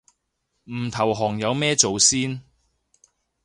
唔投降有咩做先